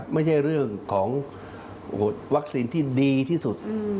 ไม่ใช่เรื่องของวัคซีนที่ดีที่สุด